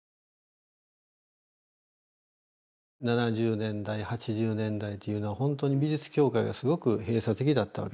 ７０年代８０年代というのはほんとに美術業界がすごく閉鎖的だったわけですよね。